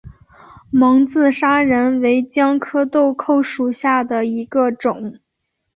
蒙自砂仁为姜科豆蔻属下的一个种。